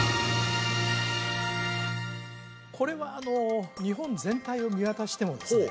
これは日本全体を見渡してもですね